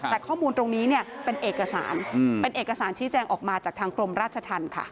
แต่ข้อมูลตรงนี้เนี่ยเป็นเอกสารเป็นเอกสารชี้แจงออกมาจากทางกรมราชธรรมค่ะ